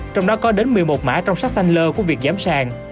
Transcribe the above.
trong đó có đến một mươi một mã trong sách xanh lơ của việc giám sàng